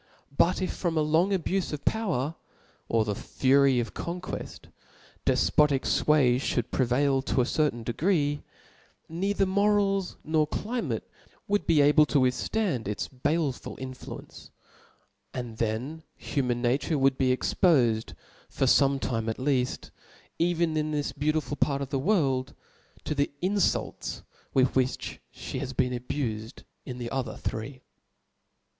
But if from a long abufe of power, or the fury of conqueft, defpotic iway fhotild prevail to a ceru^n degree ; neither lOorals nor climate iM>vI<i be ^ble to wichftand its baleful infiucnce : aqd (heil human nature would be expofed for (omt ^me at leaft, even in this beautiful part of the world, to the infults with frliich {he bfp boen abuljid in the other three.